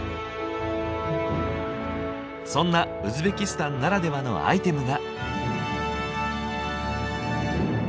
そんなウズベキスタンならではのアイテムが。